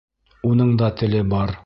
— Уның да теле бар.